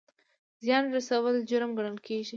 زیان رسول جرم ګڼل کیږي